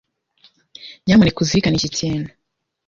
Nyamuneka uzirikane iki kintu.